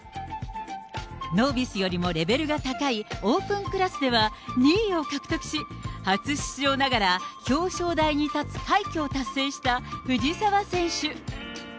ノービスよりもレベルが高いオープンクラスでは２位を獲得し、初出場ながら、表彰台に立つ快挙を達成した藤澤選手。